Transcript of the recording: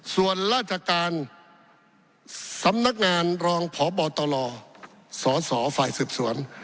ส่วนราชการสำนักงานรองพบตลสสฝ่ายสืบสวน